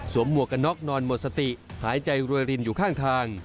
หมวกกันน็อกนอนหมดสติหายใจรวยรินอยู่ข้างทาง